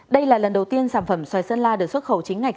đây là lần đầu tiên sản phẩm xoài sơn la được xuất khẩu chính ngạch